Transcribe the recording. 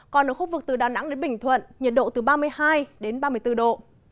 còn ở khu vực từ đà nẵng đến bình thuận nhiệt độ từ ba mươi hai đến ba mươi bốn độ